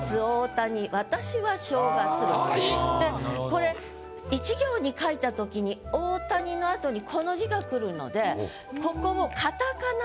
これ１行に書いたときに「大谷」の後にこの字が来るのでここを。